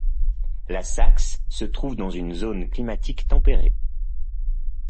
La Saxe se trouve dans une zone climatique tempérée.